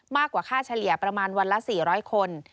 กว่าค่าเฉลี่ยประมาณวันละ๔๐๐คน